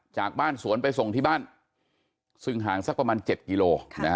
จากบ้านสวนไปส่งที่บ้านซึ่งห่างสักประมาณ๗กิโล